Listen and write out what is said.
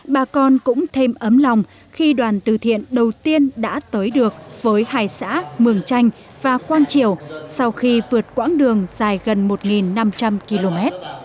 bà con cũng thêm ấm lòng khi đoàn từ thiện đầu tiên đã tới được với hai xã mường chanh và quang triều sau khi vượt quãng đường dài gần một năm trăm linh km